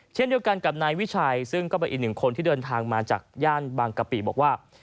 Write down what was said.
เช่นเดียวกันกับนายวิชัยซึ่งก็เป็นอีกหนึ่งคนที่เดินทางมาจากย่านบางกะปิบอกว่า